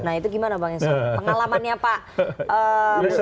nah itu bagaimana bang esok